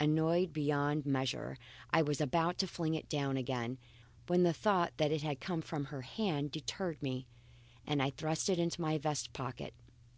Annoyed beyond measure, I was about to fling it down again, when the thought that it had come from her hand deterred me, and I thrust it into my vest pocket.